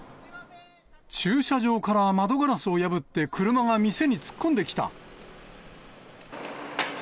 駐車場から窓ガラスを破って、車が店に突っ込んできた。